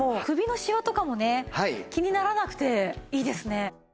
首のシワとかもね気にならなくていいですね。